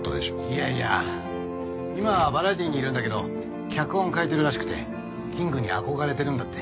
いやいや今はバラエティーにいるんだけど脚本書いてるらしくてキングに憧れてるんだって。